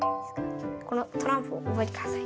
このトランプを覚えてください。